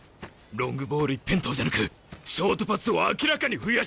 ロングボール一辺倒じゃなくショートパスを明らかに増やしてきた。